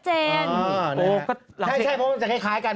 ใช่พวกมันจะคล้ายกัน